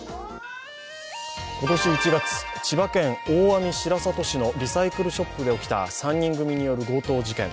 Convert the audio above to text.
今年１月、千葉県大網白里市のリサイクルショップで起きた３人組による強盗事件。